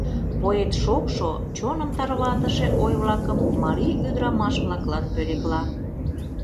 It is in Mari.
Поэт шокшо, чоным тарватыше ой-влакым марий ӱдырамаш-влаклан пӧлекла.